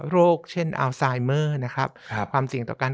เช่นอัลไซเมอร์นะครับความเสี่ยงต่อการ